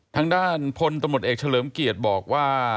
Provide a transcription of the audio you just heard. ทางด้านพลตำรวจเอกเฉลิมเกียรติบอกว่า